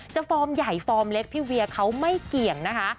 ฟอร์มใหญ่ฟอร์มเล็กพี่เวียเขาไม่เกี่ยงนะคะ